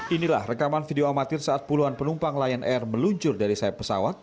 inilah rekaman video amatir saat puluhan penumpang lion air meluncur dari sayap pesawat